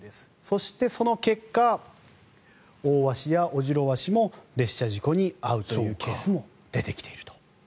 そして、その結果オオワシやオジロワシも列車事故に遭うというケースも出てきていると。